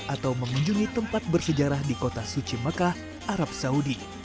atau mengunjungi tempat bersejarah di kota suci mekah arab saudi